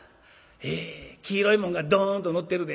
え黄色いもんがどんとのってるで。